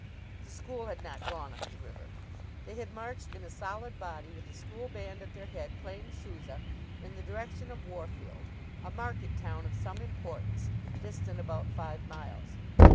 The school had not gone up the river. They had marched in a solid body, with the school band at their head playing Sousa, in the direction of Worfield, a market town of some importance, distant about five miles.